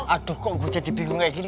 aduh kok gue jadi bingung kayak gini